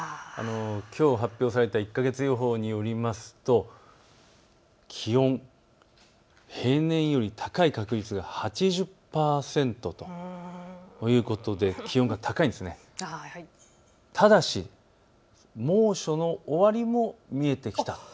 きょう発表された１か月予報によりますと気温、平年より高い確率が８０％ということで気温が高い、ただし猛暑の終わりも見えてきた